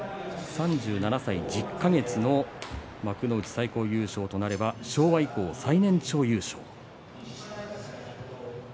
３７歳１０か月の幕内最高優勝となれば昭和以降、最年長優勝。